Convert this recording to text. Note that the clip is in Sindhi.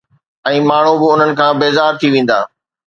۽ ماڻهو به انهن کان بيزار ٿي ويندا.